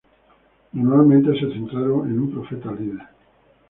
Normalmente se centraron en un profeta-líder.